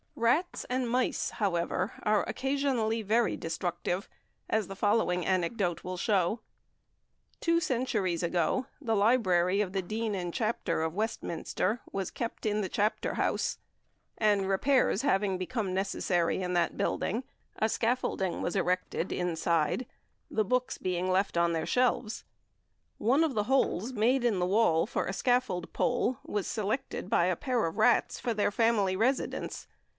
Rats and mice, however, are occasionally very destructive, as the following anecdote will show: Two centuries ago, the library of the Dean and Chapter of Westminster was kept in the Chapter House, and repairs having become necessary in that building, a scaffolding was erected inside, the books being left on their shelves. One of the holes made in the wall for a scaffold pole was selected by a pair of rats for their family residence.